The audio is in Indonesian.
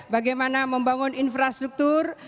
bagaimana membangun infrastruktur